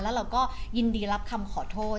แล้วเราก็ยินดีรับคำขอโทษ